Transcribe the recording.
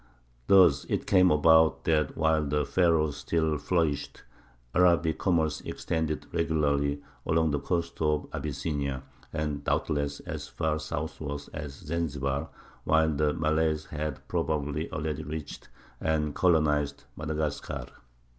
Thus it came about that while the Pharaohs still flourished, Arabic commerce extended regularly along the coast of Abyssinia, and doubtless as far southward as Zanzibar, while the Malays had probably already reached and colonized Madagascar.